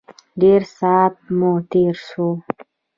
ډېر سات مو تېر شو.